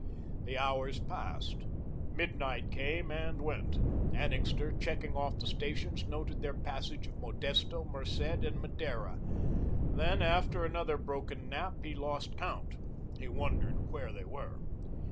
The hours passed. Midnight came and went. Annixter, checking off the stations, noted their passage of Modesto, Merced, and Madeira. Then, after another broken nap, he lost count. He wondered where they were.